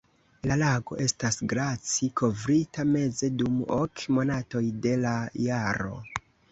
La lago estas glaci-kovrita meze dum ok monatoj de la jaro.